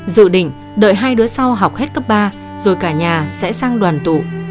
dự định đợi hai đứa sau học hết cấp ba rồi cả nhà sẽ sang đoàn tụ